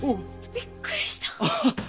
びっくりした。